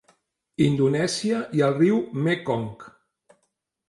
Indonèsia i el riu Mekong.